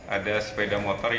ada sepeda motor yang